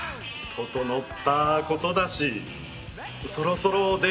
整ったことだしそろそろ出ようかな。